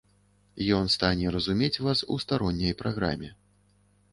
Ён стане разумець вас у старонняй праграме.